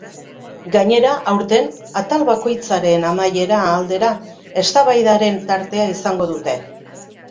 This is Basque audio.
Gainera, aurten, atal bakoitzaren amaiera aldera eztabaidaren tartea izango dute.